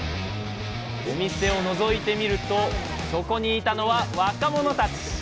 お店をのぞいてみるとそこにいたのは若者たち！